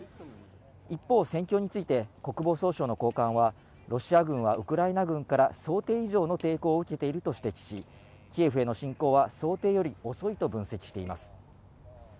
一方、戦況について国防総省の高官は、ロシア軍はウクライナ軍から想定以上の抵抗を受けていると指摘し、キエフへの侵攻は想定より遅いと分析しています。